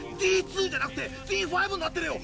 Ｄ−２じゃなくてＤ−５になってるよ！